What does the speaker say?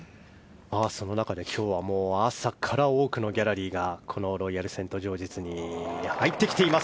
その中で、今日は朝から多くのギャラリーがこのロイヤルセントジョージズに入ってきています。